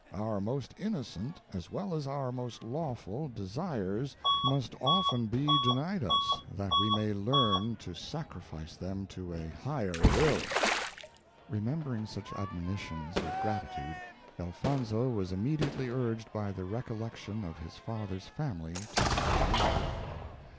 Our most innocent as well as our most lawful desires must often be denied us, that we may learn to sacrifice them to a Higher will." Remembering such admonitions with gratitude, Elfonzo was immediately urged by the recollection of his father's family to keep moving.